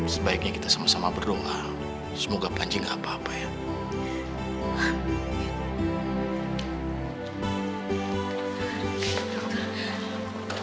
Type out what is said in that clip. sebaiknya kita sama sama berdoa semoga pancing gak apa apa ya